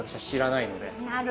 なるほど。